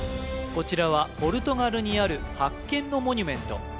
こちらはポルトガルにある発見のモニュメント